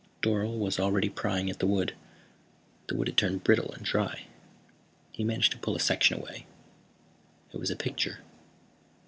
Dorle was already prying at the wood. The wood had turned brittle and dry. He managed to pull a section away. It was a picture.